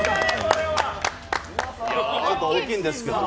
ちょっと大きいですけど。